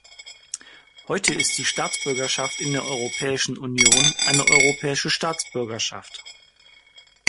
Heute ist die Staatsbürgerschaft in der Europäischen Union eine europäische Staatsbürgerschaft.